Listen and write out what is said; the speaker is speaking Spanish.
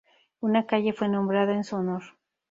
Una calle fue nombrada en su honor.